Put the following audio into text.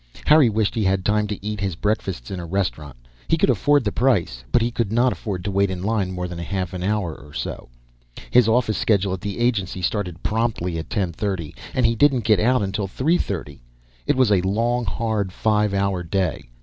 Harry wished he had time to eat his breakfasts in a restaurant. He could afford the price, but he couldn't afford to wait in line more than a half hour or so. His office schedule at the agency started promptly at ten thirty. And he didn't get out until three thirty; it was a long, hard five hour day.